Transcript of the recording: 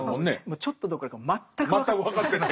ちょっとどころか全く分かってない。